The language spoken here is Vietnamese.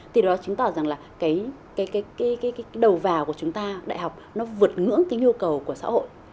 từ đó chứng tỏ rằng là cái đầu vào của chúng ta đại học nó vượt ngưỡng cái nhu cầu của xã hội